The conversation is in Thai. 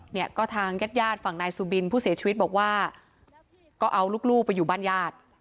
เนี่ยก็ทางญาติญาติฝั่งนายสุบินผู้เสียชีวิตบอกว่าก็เอาลูกไปอยู่บ้านญาติ